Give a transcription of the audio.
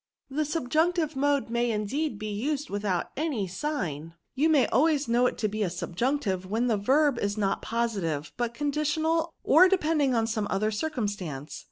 '"The subjunctive mode may indeed be used withoi^t any sign ; you may always know it to be subjunctive when the verb is not positive, but conditional or depending on some other circumstance.